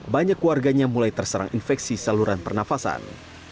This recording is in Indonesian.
banyak warganya mulai terserang infeksi saluran pernafasan